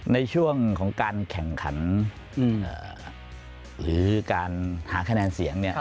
ในช่วงของการแข่งขันหรือการหาคะแนนเสียงเนี่ย